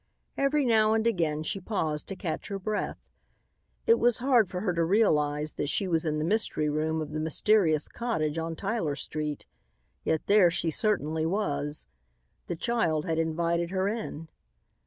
Every now and again she paused to catch her breath. It was hard for her to realize that she was in the mystery room of the mysterious cottage on Tyler street. Yet there she certainly was. The child had invited her in.